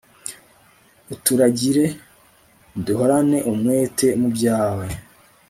uturagire, duhorane umwete mu byawe